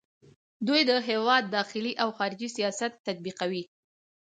دوی د هیواد داخلي او خارجي سیاست تطبیقوي.